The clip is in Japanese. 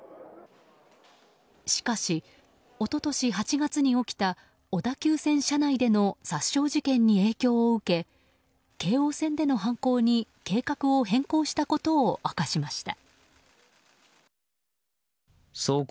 しかし、一昨年８月に起きた小田急線車内での殺傷事件に影響を受け京王線での犯行に計画を変更したことを明かしました。